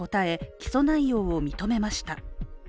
起訴内容を認めました。